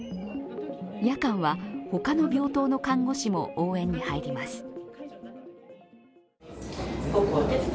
夜間は他の病棟の看護師も応援に入ります。